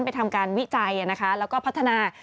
ไปทำการวิจัยแล้วก็พัฒนา